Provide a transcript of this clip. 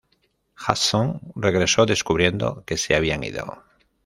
Hudson regresó descubriendo que se habían ido.